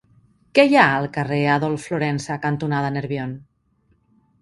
Què hi ha al carrer Adolf Florensa cantonada Nerbion?